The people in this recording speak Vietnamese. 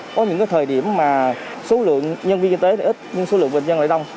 có những thời điểm mà số lượng nhân viên y tế ít nhưng số lượng bệnh nhân lại đông